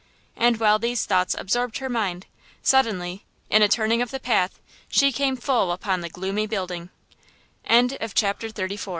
And while these thoughts absorbed her mind, suddenly, in a turning of the path, she came full upon the gloomy building. CHAPTER XXXV. THE HIDDEN HOUSE.